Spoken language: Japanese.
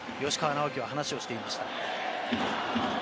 吉川尚輝はそう話していました。